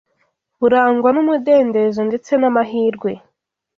burangwa n’umudendezo ndetse n’amahirwe